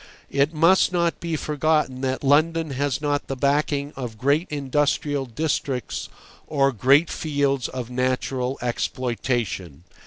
It must not be forgotten that London has not the backing of great industrial districts or great fields of natural exploitation.